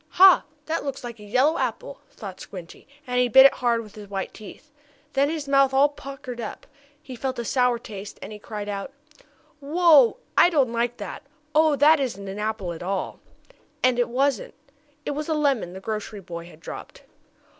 "Ha! That looks like a yellow apple," thought Squinty, and he bit it hard with his white teeth. Then his mouth all puckered up, he felt a sour taste, and he cried out: "Wow! I don't like that. Oh, that isn't an apple at all!" And it wasn't it was a lemon the grocery boy had dropped.